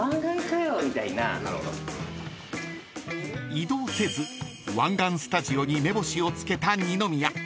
［移動せず湾岸スタジオに目星を付けた二宮］